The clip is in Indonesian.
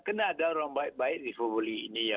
kena ada orang baik baik di fubuli ini ya